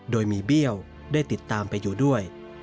โดยมีเบี้ยวได้ติดตามไปอยู่ด้วย